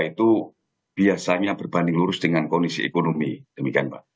itu biasanya berbanding lurus dengan kondisi ekonomi demikian mbak